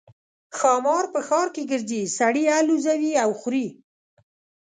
ښامار په ښار کې ګرځي سړي الوزوي او خوري.